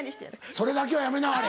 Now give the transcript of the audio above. それだけはやめなはれ。